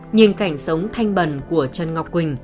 nhìn cảnh sống thanh bần của trần ngọc quỳnh